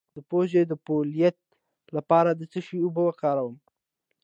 د پوزې د پولیت لپاره د څه شي اوبه وکاروم؟